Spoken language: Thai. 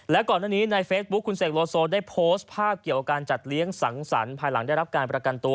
และก่อนหน้านี้ในเฟซบุ๊คคุณเสกโลโซได้โพสต์ภาพเกี่ยวกับการจัดเลี้ยงสังสรรคภายหลังได้รับการประกันตัว